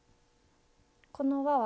この輪は。